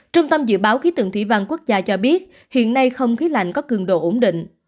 trung tâm dự báo khí tượng thủy văn quốc gia cho biết hiện nay không khí lạnh có cường độ ổn định